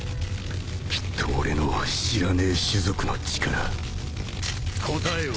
きっと俺の知らねえ種族の力答えを探しているな。